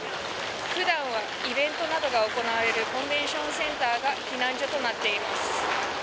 普段はイベントなどが行われるコンベンションセンターが避難所となっています。